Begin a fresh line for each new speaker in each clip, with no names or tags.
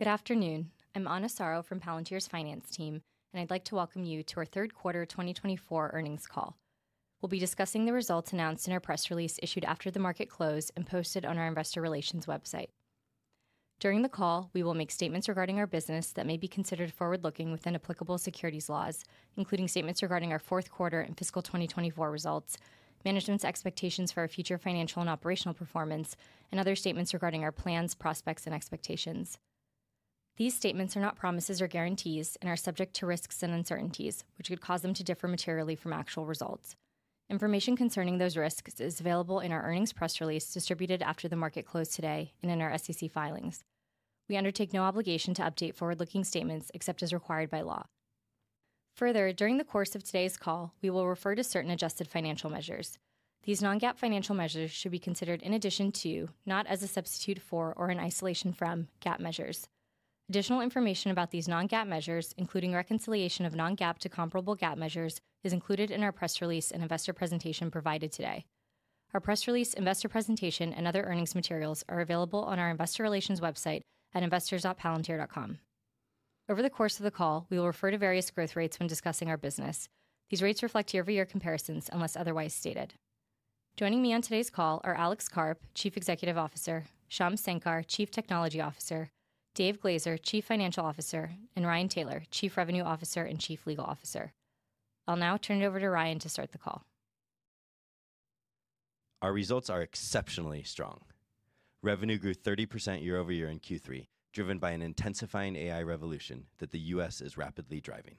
Good afternoon. I'm Ana Soro from Palantir's Finance team, and I'd like to welcome you to our Third Quarter 2024 Earnings Call. We'll be discussing the results announced in our press release issued after the market closed, and posted on our investor relations website. During the call, we will make statements regarding our business that may be considered forward-looking within applicable securities laws, including statements regarding our fourth quarter and fiscal 2024 results, management's expectations for our future financial and operational performance, and other statements regarding our plans, prospects, and expectations. These statements are not promises or guarantees and are subject to risks and uncertainties, which could cause them to differ materially from actual results. Information concerning those risks is available in our earnings press release distributed after the market closed today and in our SEC filings. We undertake no obligation to update forward-looking statements except as required by law. Further, during the course of today's call, we will refer to certain adjusted financial measures. These non-GAAP financial measures should be considered in addition to, not as a substitute for, or in isolation from, GAAP measures. Additional information about these non-GAAP measures, including reconciliation of non-GAAP to comparable GAAP measures, is included in our press release, and investor presentation provided today. Our press release, investor presentation, and other earnings materials are available on our investor relations website at investors.palantir.com. Over the course of the call, we will refer to various growth rates when discussing our business. These rates reflect year-over-year comparisons unless otherwise stated. Joining me on today's call are Alex Karp, Chief Executive Officer, Shyam Sankar, Chief Technology Officer, David Glazer, Chief Financial Officer, and Ryan Taylor, Chief Revenue Officer and Chief Legal Officer. I'll now turn it over to Ryan to start the call.
Our results are exceptionally strong. Revenue grew 30% year-over-year in Q3, driven by an intensifying AI revolution that the U.S. is rapidly driving.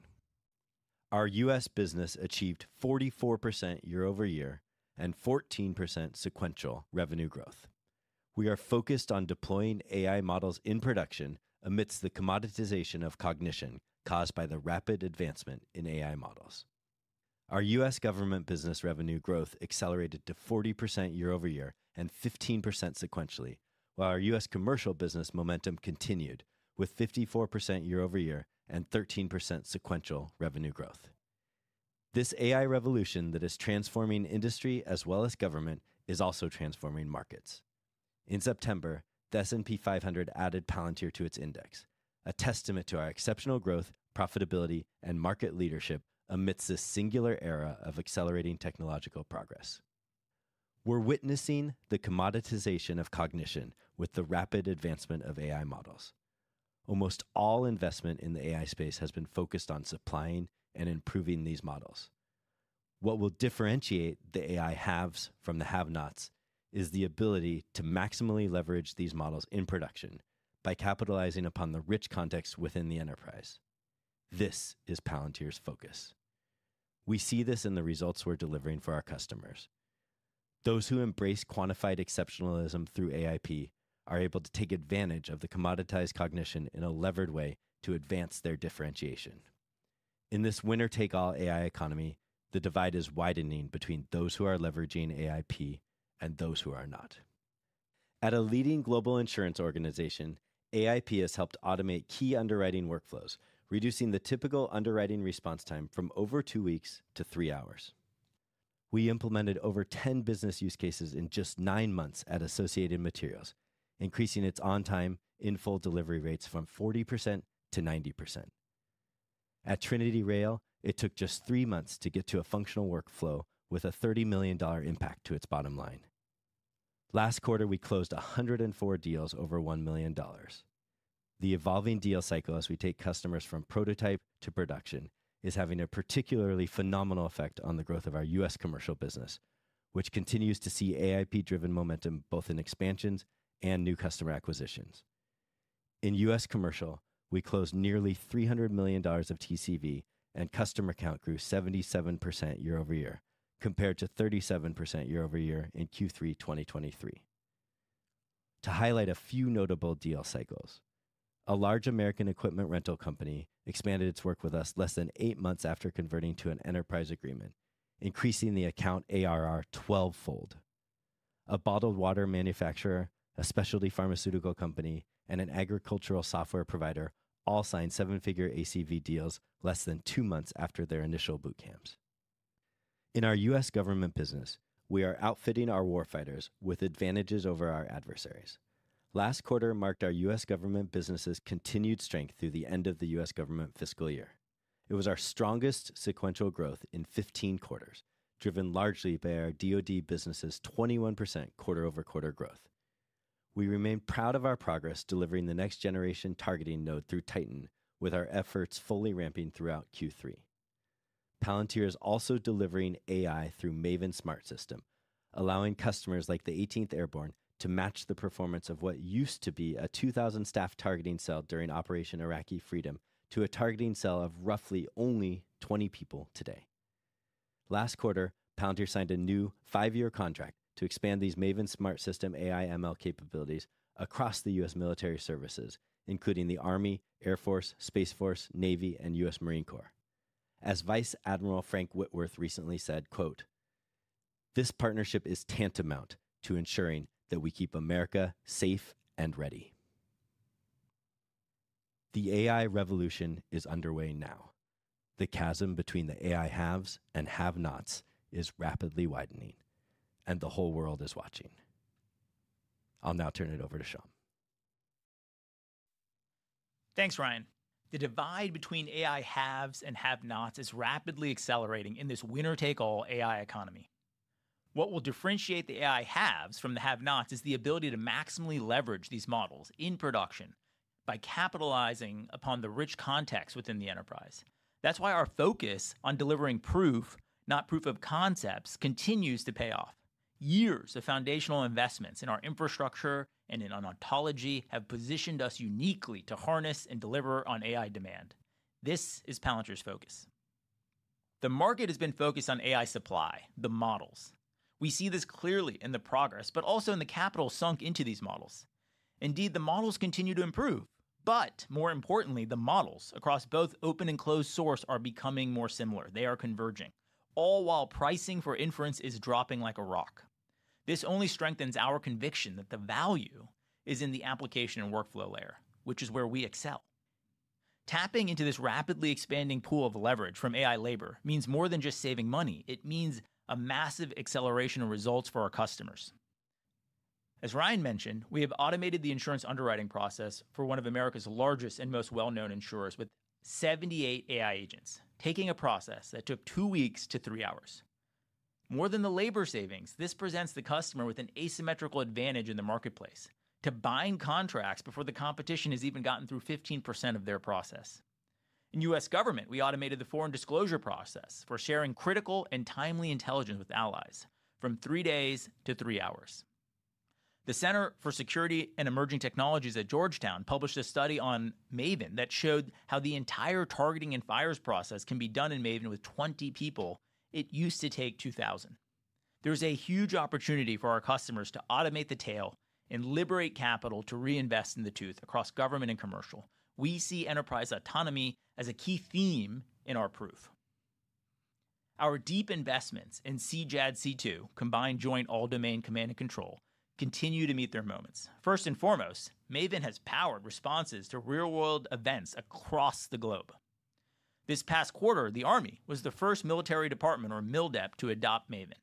Our U.S. business achieved 44% year-over-year and 14% sequential revenue growth. We are focused on deploying AI models in production amidst the commoditization of cognition caused by the rapid advancement in AI models. Our U.S. government business revenue growth accelerated to 40% year-over-year and 15% sequentially, while our U.S. commercial business momentum continued with 54% year-over-year and 13% sequential revenue growth. This AI revolution that is transforming industry as well as government is also transforming markets. In September, the S&P 500 added Palantir to its index, a testament to our exceptional growth, profitability, and market leadership amidst this singular era of accelerating technological progress. We're witnessing the commoditization of cognition with the rapid advancement of AI models. Almost all investment in the AI space has been focused on supplying and improving these models. What will differentiate the AI haves from the have-nots is the ability to maximally leverage these models in production by capitalizing upon the rich context within the enterprise. This is Palantir's focus. We see this in the results we're delivering for our customers. Those who embrace quantified exceptionalism through AIP are able to take advantage of the commoditized cognition in a levered way to advance their differentiation. In this winner-take-all AI economy, the divide is widening between those who are leveraging AIP and those who are not. At a leading global insurance organization, AIP has helped automate key underwriting workflows, reducing the typical underwriting response time from over two weeks to three hours. We implemented over 10 business use cases in just nine months at Associated Materials, increasing its on-time, in-full delivery rates from 40% to 90%. At TrinityRail, it took just three months to get to a functional workflow with a $30 million impact to its bottom line. Last quarter, we closed 104 deals over $1 million. The evolving deal cycle, as we take customers from prototype to production, is having a particularly phenomenal effect on the growth of our U.S. commercial business, which continues to see AIP-driven momentum both in expansions and new customer acquisitions. In U.S. commercial, we closed nearly $300 million of TCV, and customer count grew 77% year-over-year, compared to 37% year-over-year in Q3 2023. To highlight a few notable deal cycles: a large American equipment rental company expanded its work with us less than eight months after converting to an enterprise agreement, increasing the account ARR twelve-fold. A bottled water manufacturer, a specialty pharmaceutical company, and an agricultural software provider all signed seven-figure ACV deals less than two months after their initial bootcamps. In our U.S. government business, we are outfitting our warfighters with advantages over our adversaries. Last quarter marked our U.S. government business's continued strength through the end of the U.S. government fiscal year. It was our strongest sequential growth in 15 quarters, driven largely by our DoD business's 21% quarter-over-quarter growth. We remain proud of our progress delivering the next-generation targeting node through TITAN, with our efforts fully ramping throughout Q3. Palantir is also delivering AI through Maven Smart System, allowing customers like the 18th Airborne Corps to match the performance of what used to be a 2,000-staff targeting cell during Operation Iraqi Freedom to a targeting cell of roughly only 20 people today. Last quarter, Palantir signed a new five-year contract to expand these Maven Smart System AI/ML capabilities across the U.S. military services, including the Army, Air Force, Space Force, Navy, and U.S. Marine Corps. As Vice Admiral Frank Whitworth recently said, "This partnership is tantamount to ensuring that we keep America safe and ready." The AI revolution is underway now. The chasm between the AI haves and have-nots is rapidly widening, and the whole world is watching. I'll now turn it over to Shyam.
Thanks, Ryan. The divide between AI haves and have-nots is rapidly accelerating in this winner-take-all AI economy. What will differentiate the AI haves from the have-nots is the ability to maximally leverage these models in production by capitalizing upon the rich context within the enterprise. That's why our focus on delivering proof, not proof of concepts, continues to pay off. Years of foundational investments in our infrastructure and in our ontology have positioned us uniquely to harness and deliver on AI demand. This is Palantir's focus. The market has been focused on AI supply, the models. We see this clearly in the progress, but also in the capital sunk into these models. Indeed, the models continue to improve, but more importantly, the models across both open and closed source are becoming more similar. They are converging, all while pricing for inference is dropping like a rock. This only strengthens our conviction that the value is in the application and workflow layer, which is where we excel. Tapping into this rapidly expanding pool of leverage from AI labor means more than just saving money. It means a massive acceleration of results for our customers. As Ryan mentioned, we have automated the insurance underwriting process for one of America's largest and most well-known insurers with 78 AI agents, taking a process that took two weeks to three hours. More than the labor savings, this presents the customer with an asymmetrical advantage in the marketplace to buying contracts before the competition has even gotten through 15% of their process. In U.S. government, we automated the foreign disclosure process for sharing critical and timely intelligence with allies from three days to three hours. The Center for Security and Emerging Technology at Georgetown published a study on Maven that showed how the entire targeting and fires process can be done in Maven with 20 people, it used to take 2,000. There's a huge opportunity for our customers to automate the tail and liberate capital to reinvest in the tooth across government and commercial. We see enterprise autonomy as a key theme in our proof. Our deep investments in CJADC2, Combined Joint All-Domain Command and Control, continue to meet their moments. First and foremost, Maven has powered responses to real-world events across the globe. This past quarter, the Army was the first military department, or MILDEP, to adopt Maven.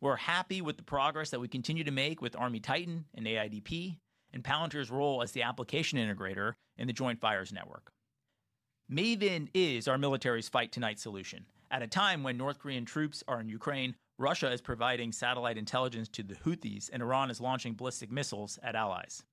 We're happy with the progress that we continue to make with Army Titan and AIDP and Palantir's role as the application integrator in the Joint Fires Network. Maven is our military's fight tonight solution. At a time when North Korean troops are in Ukraine, Russia is providing satellite intelligence to the Houthis, and Iran is launching ballistic missiles at allies.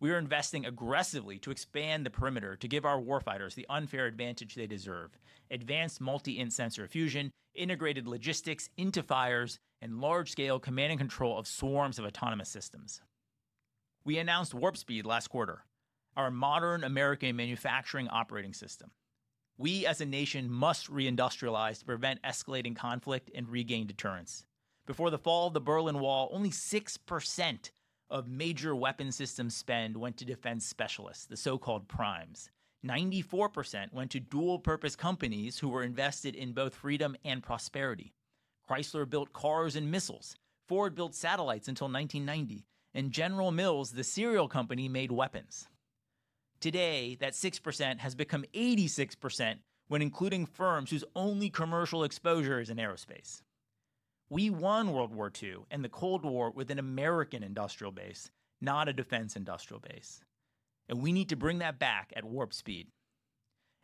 We are investing aggressively to expand the perimeter to give our war fighters the unfair advantage they deserve: advanced multi-sensor fusion, integrated logistics into fires, and large-scale command and control of swarms of autonomous systems. We announced Warp Speed last quarter, our modern American manufacturing operating system. We, as a nation, must reindustrialize to prevent escalating conflict and regain deterrence. Before the fall of the Berlin Wall, only 6% of major weapons systems spend went to defense specialists, the so-called primes. 94% went to dual-purpose companies who were invested in both freedom and prosperity. Chrysler built cars and missiles. Ford built satellites until 1990, and General Mills, the cereal company, made weapons. Today, that 6% has become 86% when including firms whose only commercial exposure is in aerospace. We won World War II and the Cold War with an American industrial base, not a defense industrial base, and we need to bring that back at Warp Speed.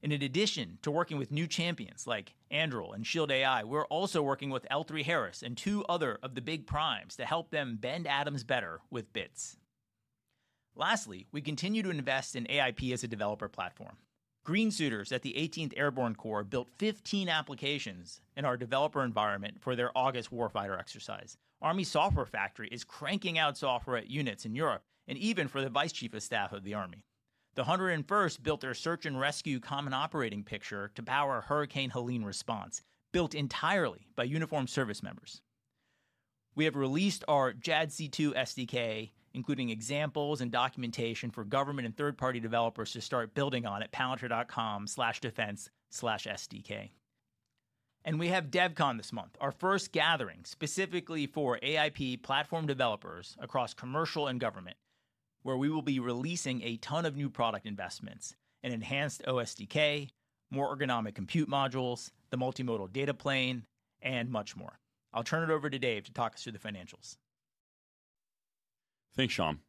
In addition to working with new champions like Anduril and Shield AI, we're also working with L3Harris and two other of the big primes to help them bend atoms better with bits. Lastly, we continue to invest in AIP as a developer platform. Green suiters at the 18th Airborne Corps built 15 applications in our developer environment for their August warfighter exercise. Army Software Factory is cranking out software units in Europe and even for the Vice Chief of Staff of the Army. The 101st built their search and rescue common operating picture to power Hurricane Helene response, built entirely by uniformed service members. We have released our JADC2 SDK, including examples and documentation for government and third-party developers to start building on at palantir.com/defense/sdk, and we have DevCon this month, our first gathering specifically for AIP platform developers across commercial and government, where we will be releasing a ton of new product investments: an enhanced OSDK, more ergonomic compute modules, the multimodal data plane, and much more. I'll turn it over to Dave to talk us through the financials.
Thanks, Shyam.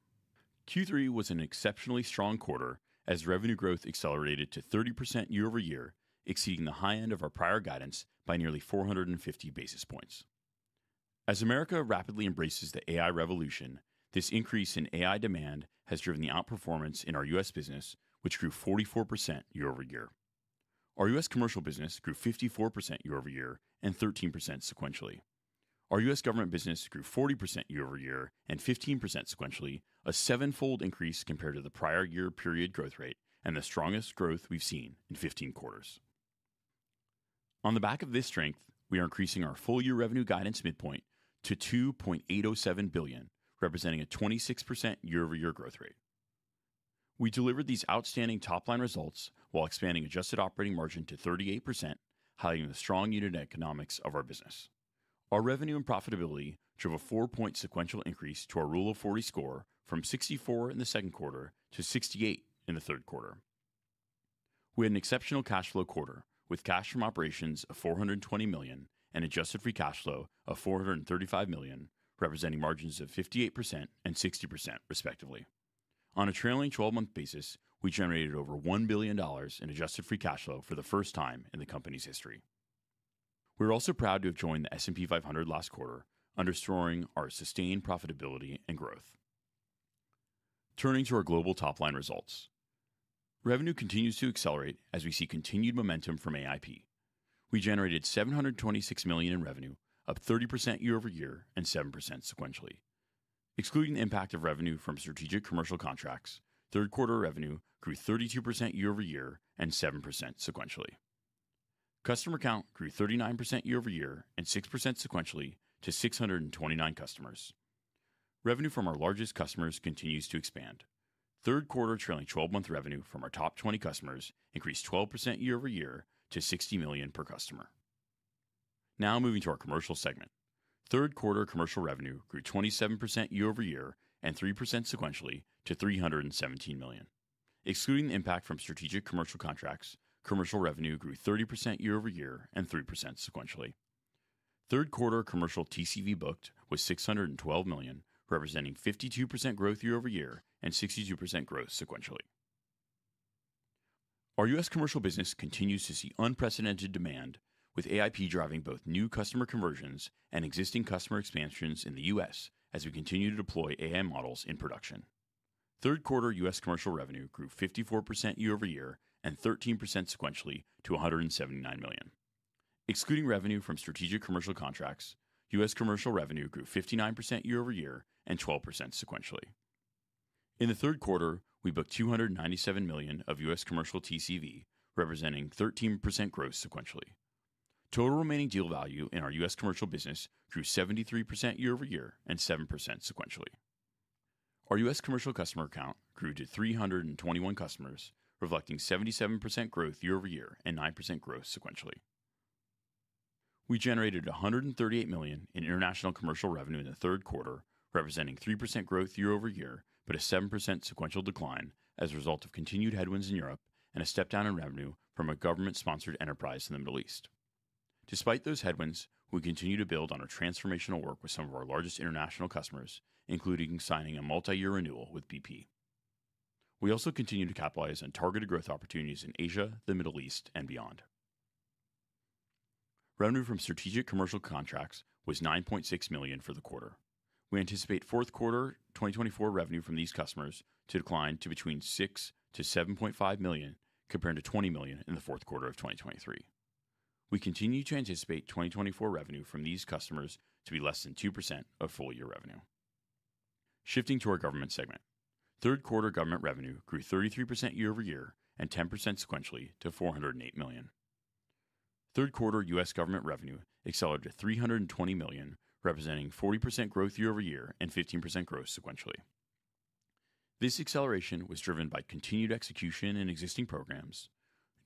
Q3 was an exceptionally strong quarter as revenue growth accelerated to 30% year-over-year, exceeding the high end of our prior guidance by nearly 450 basis points. As America rapidly embraces the AI revolution, this increase in AI demand has driven the outperformance in our U.S. business, which grew 44% year-over-year. Our U.S. commercial business grew 54% year-over-year and 13% sequentially. Our U.S. government business grew 40% year-over-year and 15% sequentially, a seven-fold increase compared to the prior year period growth rate and the strongest growth we've seen in 15 quarters. On the back of this strength, we are increasing our full-year revenue guidance midpoint to $2.807 billion, representing a 26% year-over-year growth rate. We delivered these outstanding top-line results while expanding adjusted operating margin to 38%, highlighting the strong unit economics of our business. Our revenue and profitability drove a four-point sequential increase to our Rule of 40 score from 64 in the second quarter to 68 in the third quarter. We had an exceptional cash flow quarter with cash from operations of $420 million and adjusted free cash flow of $435 million, representing margins of 58% and 60%, respectively. On a trailing 12-month basis, we generated over $1 billion in adjusted free cash flow for the first time in the company's history. We're also proud to have joined the S&P 500 last quarter underscoring our sustained profitability and growth. Turning to our global top-line results, revenue continues to accelerate as we see continued momentum from AIP. We generated $726 million in revenue, up 30% year-over-year and 7% sequentially. Excluding the impact of revenue from strategic commercial contracts, third-quarter revenue grew 32% year-over-year and 7% sequentially. Customer count grew 39% year-over-year and 6% sequentially to 629 customers. Revenue from our largest customers continues to expand. Third-quarter trailing 12-month revenue from our top 20 customers increased 12% year-over-year to $60 million per customer. Now moving to our commercial segment, third-quarter commercial revenue grew 27% year-over-year and 3% sequentially to $317 million. Excluding the impact from strategic commercial contracts, commercial revenue grew 30% year-over-year and 3% sequentially. Third-quarter commercial TCV booked was $612 million, representing 52% growth year-over-year and 62% growth sequentially. Our U.S. commercial business continues to see unprecedented demand, with AIP driving both new customer conversions and existing customer expansions in the U.S. as we continue to deploy AI models in production. Third-quarter U.S. commercial revenue grew 54% year-over-year and 13% sequentially to $179 million. Excluding revenue from strategic commercial contracts, U.S. commercial revenue grew 59% year-over-year and 12% sequentially. In the third quarter, we booked $297 million of U.S. commercial TCV, representing 13% growth sequentially. Total remaining deal value in our U.S. commercial business grew 73% year-over-year and 7% sequentially. Our U.S. commercial customer count grew to 321 customers, reflecting 77% growth year-over-year and 9% growth sequentially. We generated $138 million in international commercial revenue in the third quarter, representing 3% growth year-over-year, but a 7% sequential decline as a result of continued headwinds in Europe and a step down in revenue from a government-sponsored enterprise in the Middle East. Despite those headwinds, we continue to build on our transformational work with some of our largest international customers, including signing a multi-year renewal with BP. We also continue to capitalize on targeted growth opportunities in Asia, the Middle East, and beyond. Revenue from strategic commercial contracts was $9.6 million for the quarter. We anticipate fourth quarter 2024 revenue from these customers to decline to between $6-$7.5 million compared to $20 million in the fourth quarter of 2023. We continue to anticipate 2024 revenue from these customers to be less than 2% of full-year revenue. Shifting to our government segment, third-quarter government revenue grew 33% year-over-year and 10% sequentially to $408 million. Third-quarter U.S. government revenue accelerated to $320 million, representing 40% growth year-over-year and 15% growth sequentially. This acceleration was driven by continued execution in existing programs,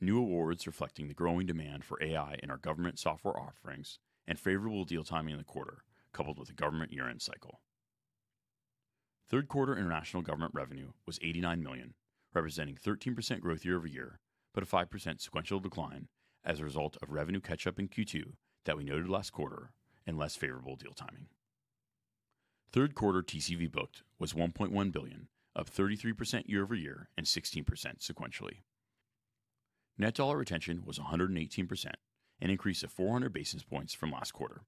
new awards reflecting the growing demand for AI in our government software offerings, and favorable deal timing in the quarter, coupled with a government year-end cycle. Third-quarter international government revenue was $89 million, representing 13% growth year-over-year, but a 5% sequential decline as a result of revenue catch-up in Q2 that we noted last quarter and less favorable deal timing. Third-quarter TCV booked was $1.1 billion, up 33% year-over-year and 16% sequentially. Net dollar retention was 118%, an increase of 400 basis points from last quarter.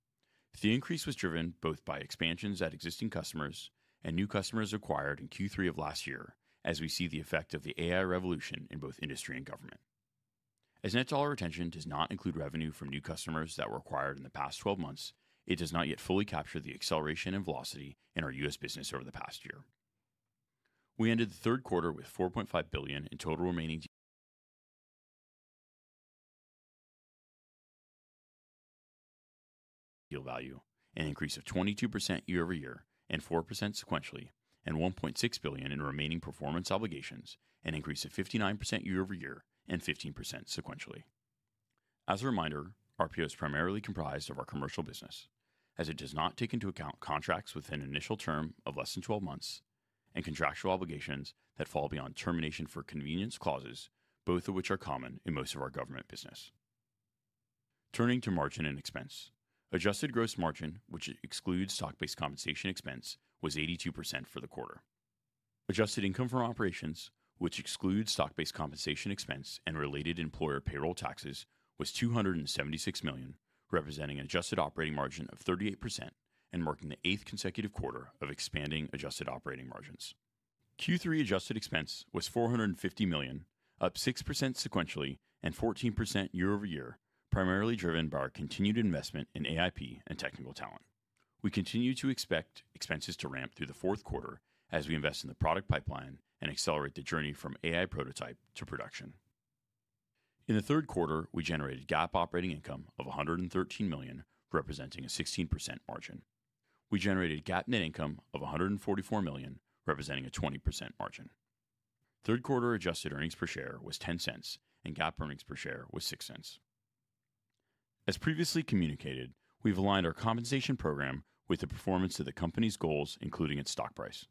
The increase was driven both by expansions at existing customers and new customers acquired in Q3 of last year, as we see the effect of the AI revolution in both industry and government. As net dollar retention does not include revenue from new customers that were acquired in the past 12 months, it does not yet fully capture the acceleration and velocity in our U.S. business over the past year. We ended the third quarter with $4.5 billion in total remaining deal value, an increase of 22% year-over-year and 4% sequentially, and $1.6 billion in remaining performance obligations, an increase of 59% year-over-year and 15% sequentially. As a reminder, RPO is primarily comprised of our commercial business, as it does not take into account contracts with an initial term of less than 12 months and contractual obligations that fall beyond termination for convenience clauses, both of which are common in most of our government business. Turning to margin and expense, adjusted gross margin, which excludes stock-based compensation expense, was 82% for the quarter. Adjusted income from operations, which excludes stock-based compensation expense and related employer payroll taxes, was $276 million, representing an adjusted operating margin of 38% and marking the eighth consecutive quarter of expanding adjusted operating margins. Q3 adjusted expense was $450 million, up 6% sequentially and 14% year-over-year, primarily driven by our continued investment in AIP and technical talent. We continue to expect expenses to ramp through the fourth quarter as we invest in the product pipeline and accelerate the journey from AI prototype to production. In the third quarter, we generated GAAP operating income of $113 million, representing a 16% margin. We generated GAAP net income of $144 million, representing a 20% margin. Third-quarter adjusted earnings per share was $0.10, and GAAP earnings per share was $0.06. As previously communicated, we've aligned our compensation program with the performance of the company's goals, including its stock price.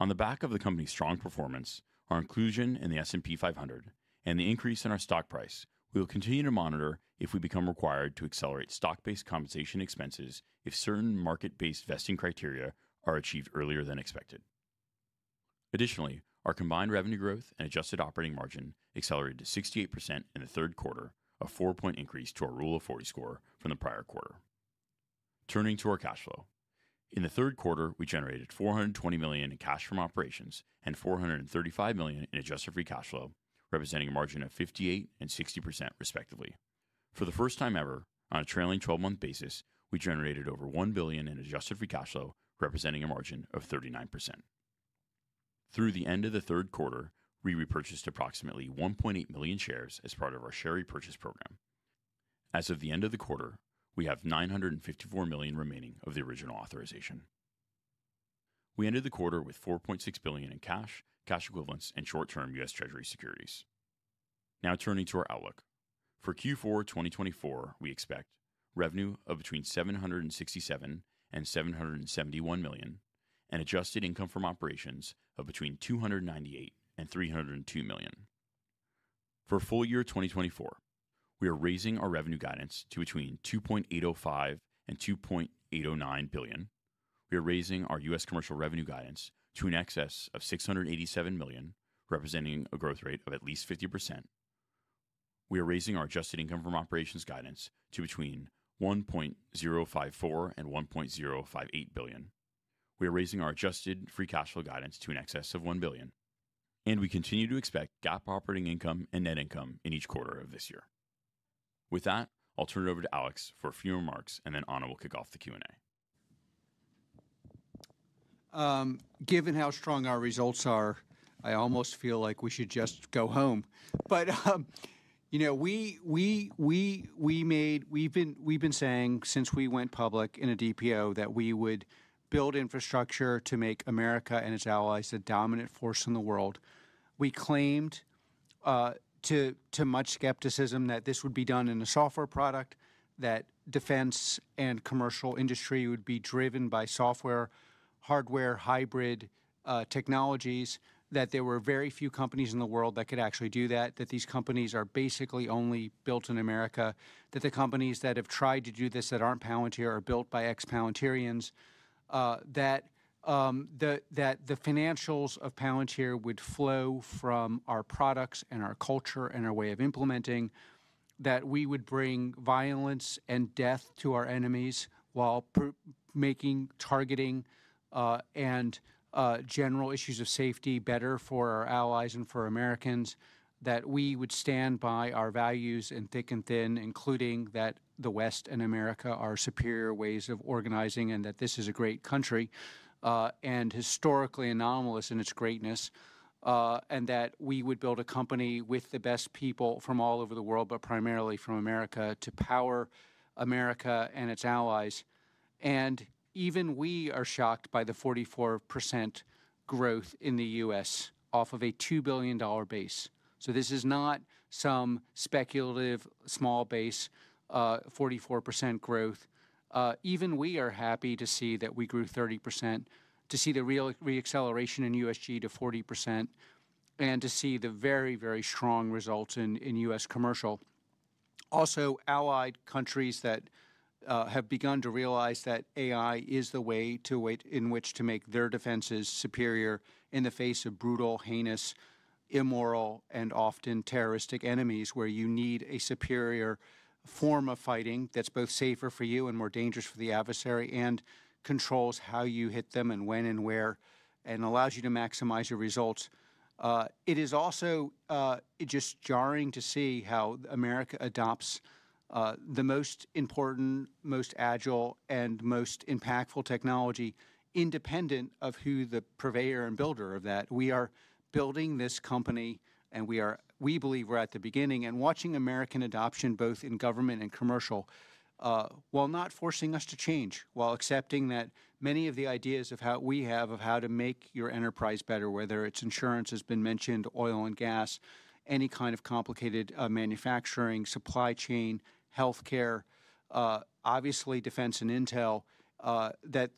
On the back of the company's strong performance, our inclusion in the S&P 500, and the increase in our stock price, we will continue to monitor if we become required to accelerate stock-based compensation expenses if certain market-based vesting criteria are achieved earlier than expected. Additionally, our combined revenue growth and adjusted operating margin accelerated to 68% in the third quarter, a four-point increase to our Rule of 40 score from the prior quarter. Turning to our cash flow, in the third quarter, we generated $420 million in cash from operations and $435 million in adjusted free cash flow, representing a margin of 58% and 60%, respectively. For the first time ever, on a trailing 12-month basis, we generated over $1 billion in adjusted free cash flow, representing a margin of 39%. Through the end of the third quarter, we repurchased approximately 1.8 million shares as part of our share repurchase program. As of the end of the quarter, we have $954 million remaining of the original authorization. We ended the quarter with $4.6 billion in cash, cash equivalents, and short-term U.S. Treasury securities. Now turning to our outlook, for Q4 2024, we expect revenue of between $767 and $771 million, and adjusted income from operations of between $298 and $302 million. For full-year 2024, we are raising our revenue guidance to between $2.805 and $2.809 billion. We are raising our U.S. commercial revenue guidance to an excess of $687 million, representing a growth rate of at least 50%. We are raising our adjusted income from operations guidance to between $1.054 and $1.058 billion. We are raising our adjusted free cash flow guidance to an excess of $1 billion, and we continue to expect GAAP operating income and net income in each quarter of this year. With that, I'll turn it over to Alex for a few remarks, and then Ana will kick off the Q&A.
Given how strong our results are, I almost feel like we should just go home. But, you know, we've been saying since we went public in a DPO that we would build infrastructure to make America and its allies a dominant force in the world. We claimed, to too much skepticism, that this would be done in a software product, that defense and commercial industry would be driven by software, hardware, hybrid technologies, that there were very few companies in the world that could actually do that, that these companies are basically only built in America, that the companies that have tried to do this that aren't Palantir are built by ex-Palantirians, that the financials of Palantir would flow from our products and our culture and our way of implementing, that we would bring violence and death to our enemies while making targeting and general issues of safety better for our allies and for Americans. That we would stand by our values in thick and thin, including that the West and America are superior ways of organizing and that this is a great country and historically anomalous in its greatness. And that we would build a company with the best people from all over the world, but primarily from America, to power America and its allies. Even we are shocked by the 44% growth in the U.S. off of a $2 billion base. So this is not some speculative small base, 44% growth. Even we are happy to see that we grew 30%, to see the real re-acceleration in USG to 40%, and to see the very, very strong results in U.S. commercial. Also, allied countries that have begun to realize that AI is the way to in which to make their defenses superior in the face of brutal, heinous, immoral, and often terroristic enemies, where you need a superior form of fighting that's both safer for you and more dangerous for the adversary and controls how you hit them and when and where and allows you to maximize your results. It is also just jarring to see how America adopts the most important, most agile, and most impactful technology, independent of who the purveyor and builder of that. We are building this company, and we believe we're at the beginning and watching American adoption both in government and commercial while not forcing us to change, while accepting that many of the ideas of how we have to make your enterprise better, whether it's insurance, as been mentioned, oil and gas, any kind of complicated manufacturing, supply chain, healthcare, obviously defense and intel, that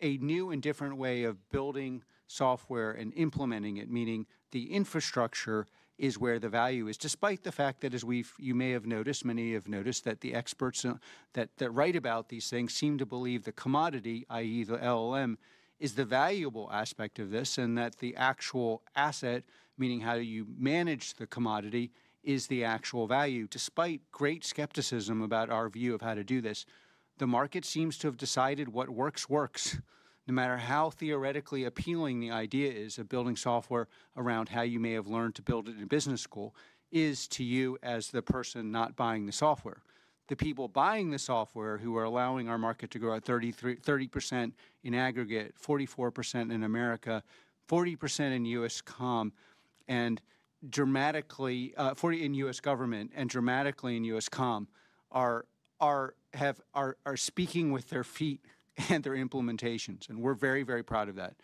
a new and different way of building software and implementing it, meaning the infrastructure is where the value is, despite the fact that, as we've, you may have noticed, many have noticed that the experts that write about these things seem to believe the commodity, i.e., the LLM, is the valuable aspect of this and that the actual asset, meaning how you manage the commodity, is the actual value. Despite great skepticism about our view of how to do this, the market seems to have decided what works works, no matter how theoretically appealing the idea is of building software around how you may have learned to build it in business school, is to you as the person not buying the software. The people buying the software who are allowing our market to grow at 30% in aggregate, 44% in America, 40% in U.S. Comm, and dramatically 40% in U.S. government and dramatically in U.S. com are speaking with their feet and their implementations, and we're very, very proud of that.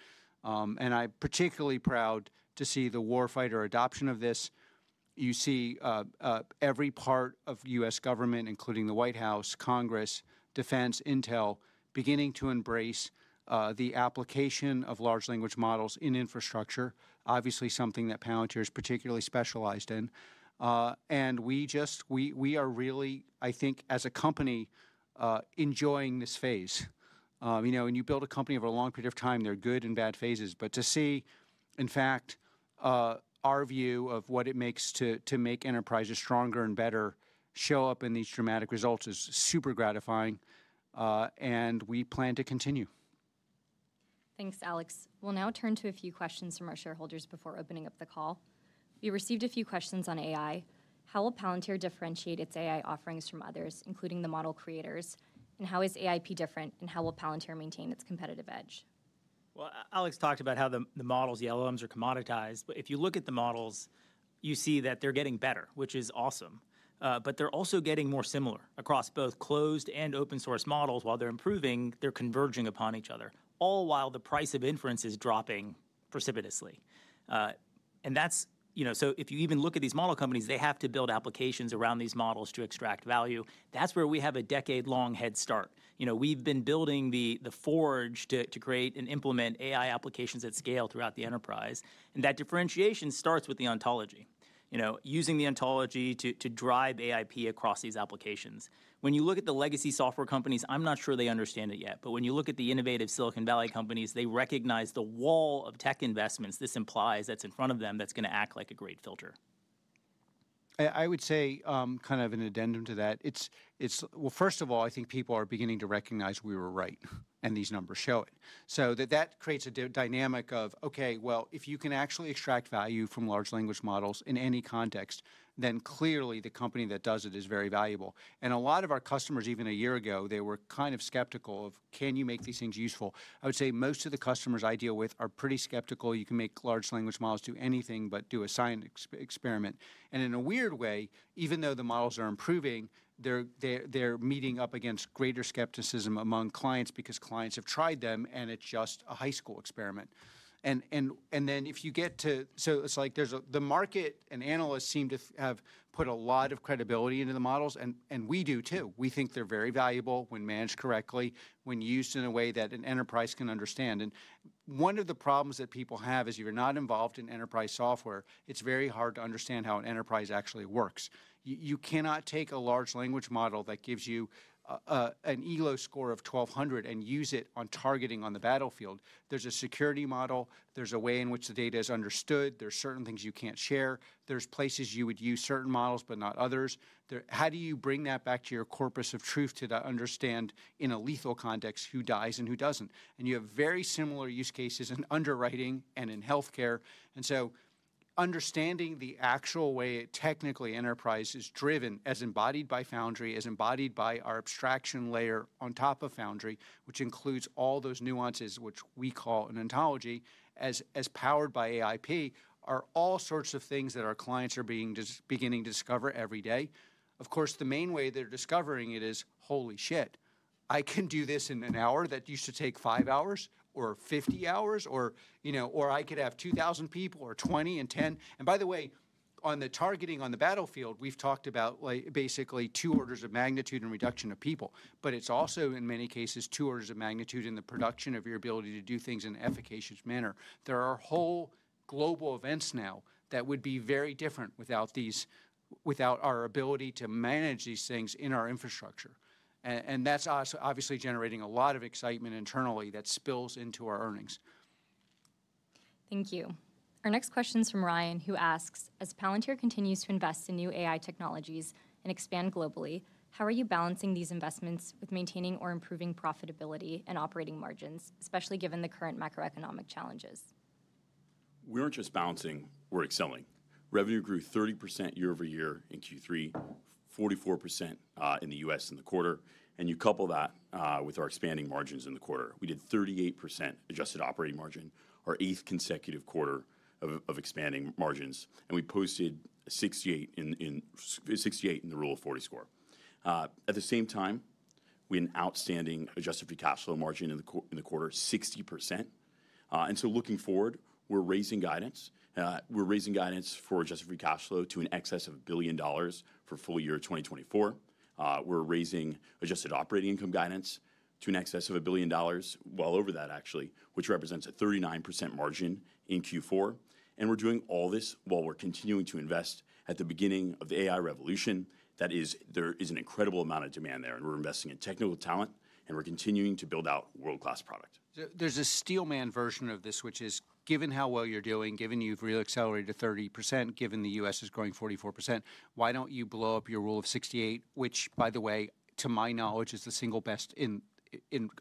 I'm particularly proud to see the warfighter adoption of this. You see every part of U.S. government, including the White House, Congress, defense, intel, beginning to embrace the application of large language models in infrastructure, obviously something that Palantir is particularly specialized in. We are really, I think, as a company, enjoying this phase. You know, when you build a company over a long period of time, there are good and bad phases, but to see, in fact, our view of what it takes to make enterprises stronger and better show up in these dramatic results is super gratifying, and we plan to continue.
Thanks, Alex. We'll now turn to a few questions from our shareholders before opening up the call. We received a few questions on AI. How will Palantir differentiate its AI offerings from others, including the model creators, and how is AIP different, and how will Palantir maintain its competitive edge?
Alex talked about how the models, the LLMs, are commoditized, but if you look at the models, you see that they're getting better, which is awesome, but they're also getting more similar across both closed and open-source models. While they're improving, they're converging upon each other, all while the price of inference is dropping precipitously. And that's, you know, so if you even look at these model companies, they have to build applications around these models to extract value. That's where we have a decade-long head start. You know, we've been building the Foundry to create and implement AI applications at scale throughout the enterprise, and that differentiation starts with the ontology, you know, using the ontology to drive AIP across these applications. When you look at the legacy software companies, I'm not sure they understand it yet, but when you look at the innovative Silicon Valley companies, they recognize the wall of tech investments this implies that's in front of them that's going to act like a great filter.
I would say kind of an addendum to that. It's well, first of all, I think people are beginning to recognize we were right, and these numbers show it, so that creates a dynamic of, okay, well, if you can actually extract value from large language models in any context, then clearly the company that does it is very valuable. A lot of our customers, even a year ago, they were kind of skeptical of, can you make these things useful? I would say most of the customers I deal with are pretty skeptical. You can make large language models do anything but do a science experiment. In a weird way, even though the models are improving, they're meeting up against greater skepticism among clients because clients have tried them, and it's just a high school experiment. If you get to so it's like there's the market and analysts seem to have put a lot of credibility into the models, and we do too. We think they're very valuable when managed correctly, when used in a way that an enterprise can understand. One of the problems that people have is you're not involved in enterprise software. It's very hard to understand how an enterprise actually works. You cannot take a large language model that gives you an Elo score of 1200 and use it on targeting on the battlefield. There's a security model. There's a way in which the data is understood. There's certain things you can't share. There's places you would use certain models, but not others. How do you bring that back to your corpus of truth to understand in a lethal context who dies and who doesn't? You have very similar use cases in underwriting and in healthcare. Understanding the actual way the technical enterprise is driven, as embodied by Foundry, as embodied by our abstraction layer on top of Foundry, which includes all those nuances which we call an ontology, as powered by AIP, are all sorts of things that our clients are beginning to discover every day. Of course, the main way they're discovering it is, holy shit, I can do this in an hour that used to take five hours or 50 hours, or, you know, or I could have 2,000 people or 20 and 10. By the way, on the targeting on the battlefield, we've talked about basically two orders of magnitude in reduction of people, but it's also in many cases two orders of magnitude in the production of your ability to do things in an efficacious manner. There are whole global events now that would be very different without these, without our ability to manage these things in our infrastructure, and that's obviously generating a lot of excitement internally that spills into our earnings.
Thank you. Our next question is from Ryan, who asks, as Palantir continues to invest in new AI technologies and expand globally, how are you balancing these investments with maintaining or improving profitability and operating margins, especially given the current macroeconomic challenges?
We aren't just balancing. We're excelling. Revenue grew 30% year over year in Q3, 44% in the U.S. in the quarter. And you couple that with our expanding margins in the quarter, we did 38% adjusted operating margin, our eighth consecutive quarter of expanding margins, and we posted 68 in the Rule of 40 score. At the same time, we had an outstanding adjusted free cash flow margin in the quarter, 60%. And so looking forward, we're raising guidance. We're raising guidance for adjusted free cash flow to an excess of $1 billion for full year 2024. We're raising adjusted operating income guidance to an excess of $1 billion, well over that actually, which represents a 39% margin in Q4. And we're doing all this while we're continuing to invest at the beginning of the AI revolution. That is, there is an incredible amount of demand there, and we're investing in technical talent, and we're continuing to build out world-class product.
There's a steel man version of this, which is, given how well you're doing, given you've really accelerated to 30%, given the U.S. is growing 44%, why don't you blow up your Rule of 68, which, by the way, to my knowledge, is the single best in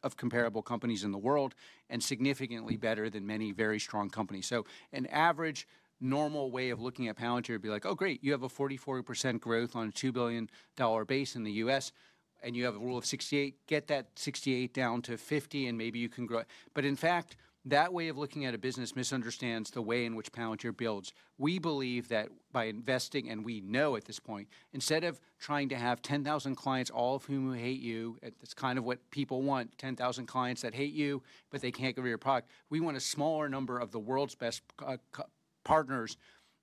of comparable companies in the world and significantly better than many very strong companies. So an average normal way of looking at Palantir would be like, oh, great, you have a 44% growth on a $2 billion base in the U.S., and you have a rule of 68, get that 68 down to 50, and maybe you can grow. But in fact, that way of looking at a business misunderstands the way in which Palantir builds. We believe that by investing, and we know at this point, instead of trying to have 10,000 clients, all of whom hate you. That's kind of what people want, 10,000 clients that hate you, but they can't get rid of your product. We want a smaller number of the world's best partners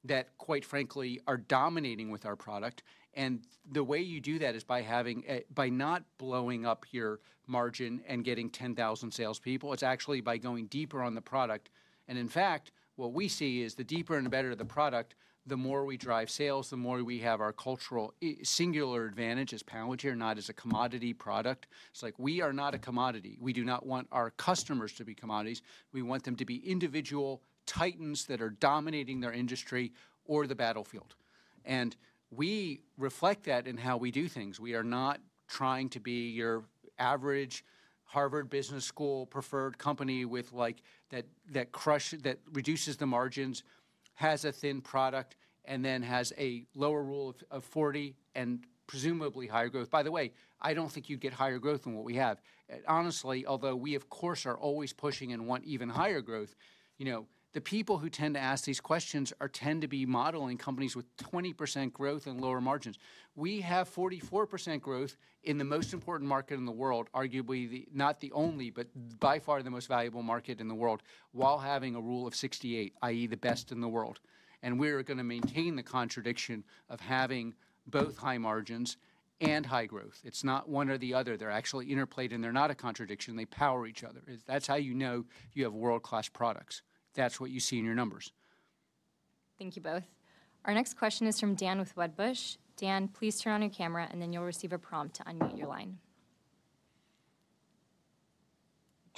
that, quite frankly, are dominating with our product. And the way you do that is by not blowing up your margin and getting 10,000 salespeople. It's actually by going deeper on the product. And in fact, what we see is the deeper and the better the product, the more we drive sales, the more we have our cultural singular advantage as Palantir, not as a commodity product. It's like we are not a commodity. We do not want our customers to be commodities. We want them to be individual titans that are dominating their industry or the battlefield. And we reflect that in how we do things. We are not trying to be your average Harvard Business School preferred company with like that reduces the margins, has a thin product, and then has a lower Rule of 40 and presumably higher growth. By the way, I don't think you get higher growth than what we have. Honestly, although we, of course, are always pushing and want even higher growth, you know, the people who tend to ask these questions tend to be modeling companies with 20% growth and lower margins. We have 44% growth in the most important market in the world, arguably not the only, but by far the most valuable market in the world, while having a Rule of 68, i.e., the best in the world. And we are going to maintain the contradiction of having both high margins and high growth. It's not one or the other. They're actually interplayed, and they're not a contradiction. They power each other. That's how you know you have world-class products. That's what you see in your numbers.
Thank you both. Our next question is from Dan with Wedbush. Dan, please turn on your camera, and then you'll receive a prompt to unmute your line.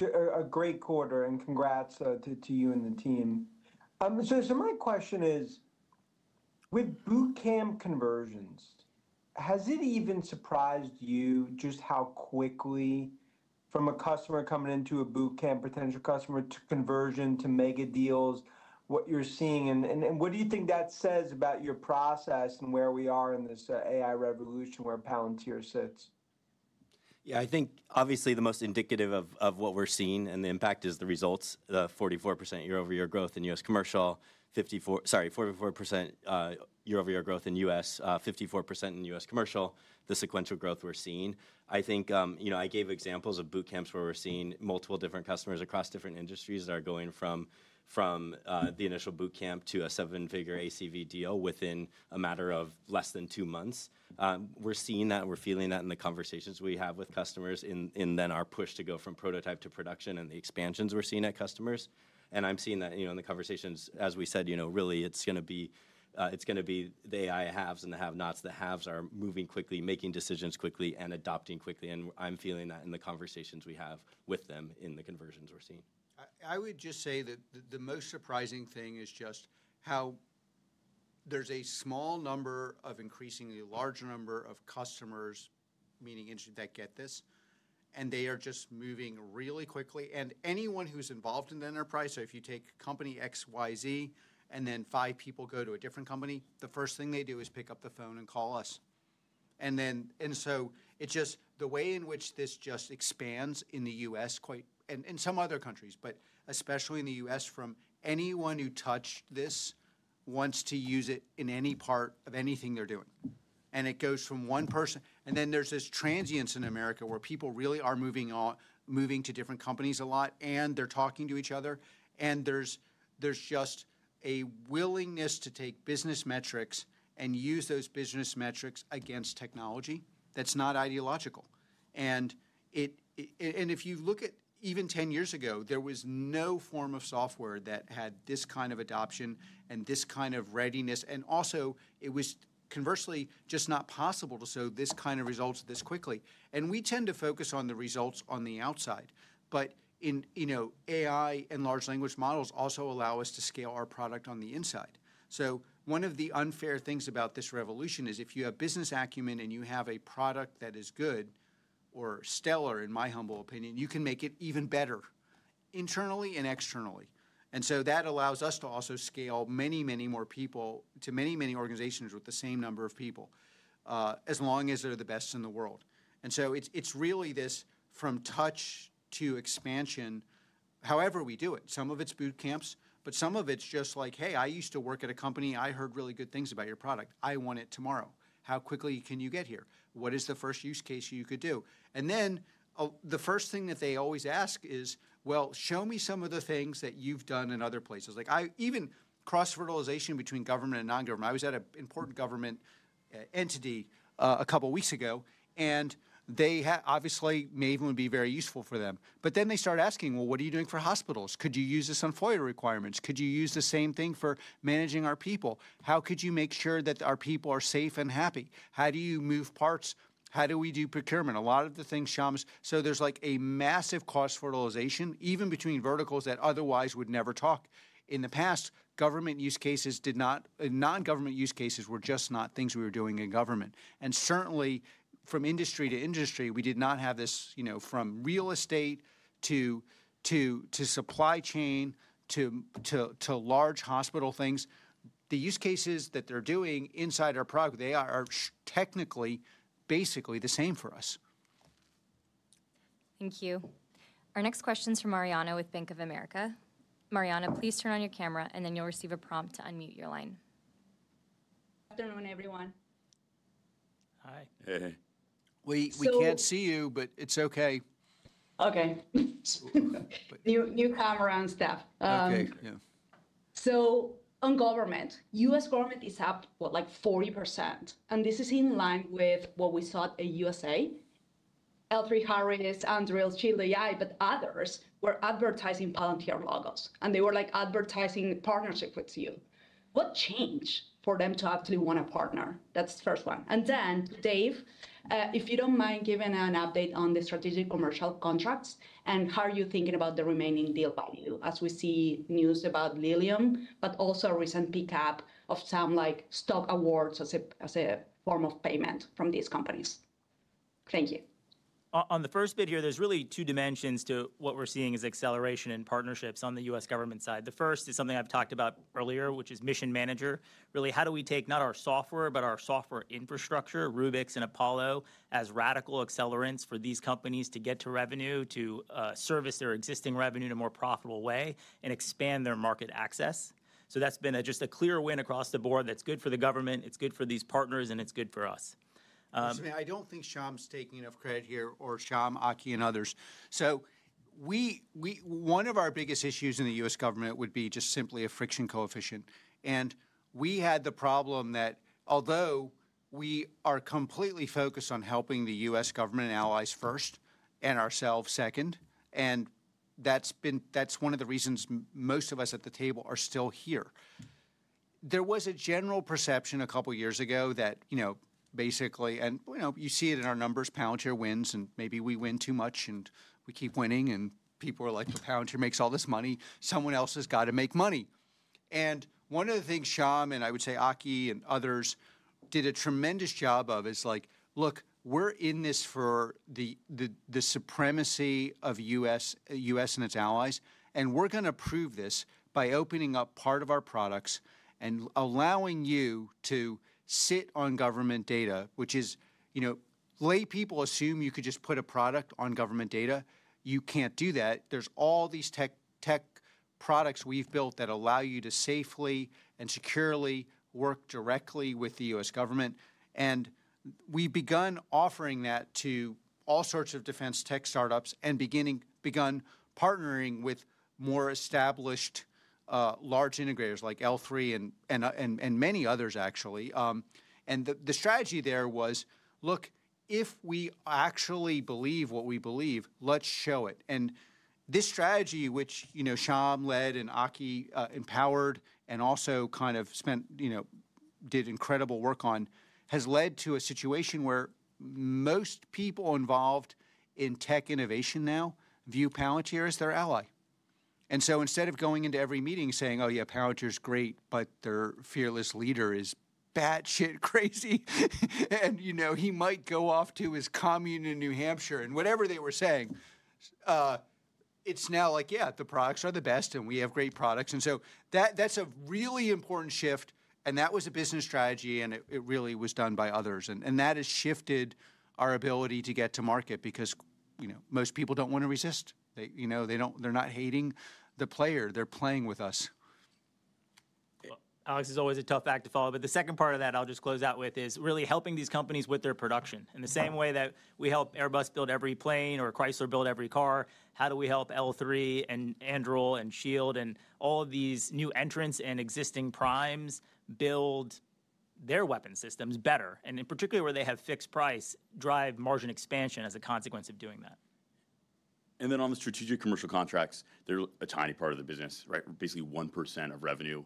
A great quarter, and congrats to you and the team. So my question is, with bootcamp conversions, has it even surprised you just how quickly from a customer coming into a bootcamp, potential customer, to conversion, to mega deals, what you're seeing? And what do you think that says about your process and where we are in this AI revolution where Palantir sits?
Yeah, I think obviously the most indicative of what we're seeing and the impact is the results, the 44% year-over-year growth in U.S. commercial, sorry, 44% year-over-year growth in U.S., 54% in U.S. commercial, the sequential growth we're seeing. I think, you know, I gave examples of bootcamps where we're seeing multiple different customers across different industries that are going from the initial bootcamp to a seven-figure ACV deal within a matter of less than two months. We're seeing that, and we're feeling that in the conversations we have with customers and then our push to go from prototype to production and the expansions we're seeing at customers. And I'm seeing that, you know, in the conversations, as we said, you know, really it's going to be the AI haves and the have-nots. The haves are moving quickly, making decisions quickly, and adopting quickly. And I'm feeling that in the conversations we have with them in the conversations we're seeing.
I would just say that the most surprising thing is just how there's a small number of increasingly larger number of customers, meaning interested, that get this, and they are just moving really quickly, and anyone who's involved in the enterprise, so if you take company X, Y, Z, and then five people go to a different company, the first thing they do is pick up the phone and call us, and then and so it's just the way in which this just expands in the U.S., quite and some other countries, but especially in the U.S., from anyone who touched this wants to use it in any part of anything they're doing, and it goes from one person. And then there's this transience in America where people really are moving to different companies a lot, and they're talking to each other, and there's just a willingness to take business metrics and use those business metrics against technology that's not ideological. And if you look at even 10 years ago, there was no form of software that had this kind of adoption and this kind of readiness. And also, it was conversely just not possible to show this kind of results this quickly. And we tend to focus on the results on the outside, but in, you know, AI and large language models also allow us to scale our product on the inside. So one of the unfair things about this revolution is if you have business acumen and you have a product that is good or stellar, in my humble opinion, you can make it even better internally and externally. And so that allows us to also scale many, many more people to many, many organizations with the same number of people, as long as they're the best in the world. And so it's really this from touch to expansion, however we do it. Some of it's bootcamps, but some of it's just like, hey, I used to work at a company. I heard really good things about your product. I want it tomorrow. How quickly can you get here? What is the first use case you could do? And then the first thing that they always ask is, well, show me some of the things that you've done in other places. Like even cross-fertilization between government and non-government. I was at an important government entity a couple of weeks ago, and they obviously may even be very useful for them. But then they start asking, well, what are you doing for hospitals? Could you use this on FOIA requirements? Could you use the same thing for managing our people? How could you make sure that our people are safe and happy? How do you move parts? How do we do procurement? A lot of the things, Shyam is so there's like a massive cross-fertilization, even between verticals that otherwise would never talk. In the past, government use cases did not non-government use cases were just not things we were doing in government. And certainly from industry to industry, we did not have this, you know, from real estate to supply chain to large hospital things. The use cases that they're doing inside our product, they are technically basically the same for us.
Thank you. Our next question is from Mariana with Bank of America. Mariana, please turn on your camera, and then you'll receive a prompt to unmute your line.
Good afternoon, everyone.
Hi.
Hey.
We can't see you, but it's okay.
Okay. New camera on staff.
Okay.
Yeah.
So on government, U.S. government is up like 40%. And this is in line with what we saw at AUSA. L3Harris, Anduril, Shield AI, but others were advertising Palantir logos, and they were like advertising partnership with you. What changed for them to actually want a partner? That's the first one. And then to Dave, if you don't mind giving an update on the strategic commercial contracts and how are you thinking about the remaining deal value as we see news about Lilium, but also a recent pickup of some like stock awards as a form of payment from these companies. Thank you.
On the first bit here, there's really two dimensions to what we're seeing as acceleration and partnerships on the U.S. government side. The first is something I've talked about earlier, which is mission manager. Really, how do we take not our software, but our software infrastructure, Rubix and Apollo, as radical accelerants for these companies to get to revenue, to service their existing revenue in a more profitable way, and expand their market access? So that's been just a clear win across the board. That's good for the government. It's good for these partners, and it's good for us.
I don't think Shyam's taking enough credit here or Shyam, Aki, and others, so one of our biggest issues in the U.S. government would be just simply a friction coefficient, and we had the problem that although we are completely focused on helping the U.S. government and allies first and ourselves second, and that's been one of the reasons most of us at the table are still here. There was a general perception a couple of years ago that, you know, basically, and you know, you see it in our numbers, Palantir wins, and maybe we win too much, and we keep winning, and people are like, well, Palantir makes all this money. Someone else has got to make money, and one of the things Shyam and I would say Aki and others did a tremendous job of is like, look, we're in this for the supremacy of U.S.and its allies, and we're going to prove this by opening up part of our products and allowing you to sit on government data, which is, you know, laypeople assume you could just put a product on government data. You can't do that. There's all these tech products we've built that allow you to safely and securely work directly with the U.S. government. And we've begun offering that to all sorts of defense tech startups and begun partnering with more established large integrators like L3 and many others, actually. And the strategy there was, look, if we actually believe what we believe, let's show it. And this strategy, which, you know, Shyam led and Aki empowered and also kind of spent, you know, did incredible work on, has led to a situation where most people involved in tech innovation now view Palantir as their ally. And so instead of going into every meeting saying, oh, yeah, Palantir's great, but their fearless leader is batshit crazy, and, you know, he might go off to his commune in New Hampshire and whatever they were saying, it's now like, yeah, the products are the best, and we have great products. And so that's a really important shift, and that was a business strategy, and it really was done by others. And that has shifted our ability to get to market because, you know, most people don't want to resist. You know, they don't, they're not hating the player. They're playing with us. Alex, it's always a tough act to follow, but the second part of that I'll just close out with is really helping these companies with their production.
In the same way that we help Airbus build every plane or Chrysler build every car, how do we help L3 and Anduril and Shield and all of these new entrants and existing primes build their weapon systems better? And in particular, where they have fixed price, drive margin expansion as a consequence of doing that.
And then on the strategic commercial contracts, they're a tiny part of the business, right? Basically 1% of revenue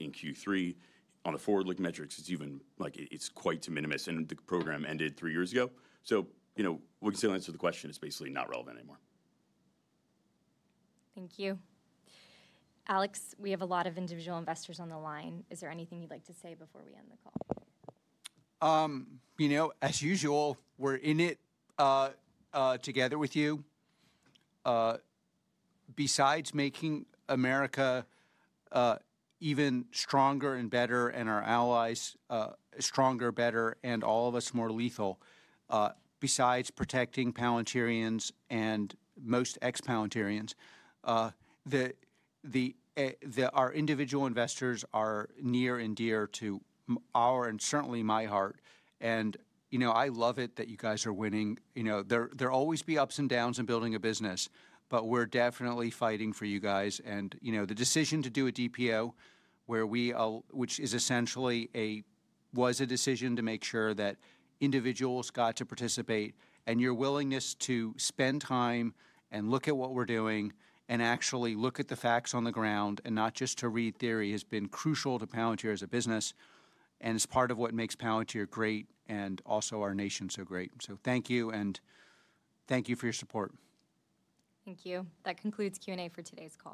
in Q3. On the forward-looking metrics, it's even like it's quite de minimis, and the program ended three years ago. So, you know, we can still answer the question. It's basically not relevant anymore.
Thank you. Alex, we have a lot of individual investors on the line. Is there anything you'd like to say before we end the call?
You know, as usual, we're in it together with you. Besides making America even stronger and better and our allies stronger, better, and all of us more lethal, besides protecting Palantir and most ex-Palantir, our individual investors are near and dear to our hearts and certainly my heart, and you know, I love it that you guys are winning. You know, there'll always be ups and downs in building a business, but we're definitely fighting for you guys, and you know, the decision to do a DPO, which is essentially a decision to make sure that individuals got to participate, and your willingness to spend time and look at what we're doing and actually look at the facts on the ground and not just to read theory has been crucial to Palantir as a business and is part of what makes Palantir great and also our nation so great. Thank you, and thank you for your support.
Thank you. That concludes Q&A for today's call.